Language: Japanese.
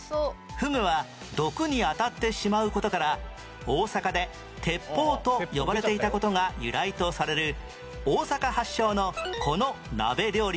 フグは毒にあたってしまう事から大阪で鉄砲と呼ばれていた事が由来とされる大阪発祥のこの鍋料理は？